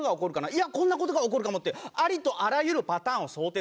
いやこんな事が起こるかもってありとあらゆるパターンを想定するんだよ。